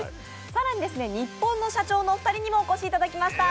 更にニッポンの社長のお二人にもお越しいただきました。